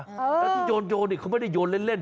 แล้วที่โยนเขาไม่ได้โยนเล่น